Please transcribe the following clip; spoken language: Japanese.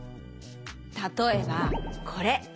たとえばこれ。